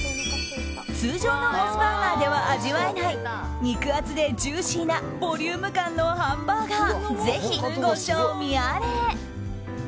通常のモスバーガーでは味わえない肉厚でジューシーなボリューム感のハンバーガーぜひ、ご賞味あれ。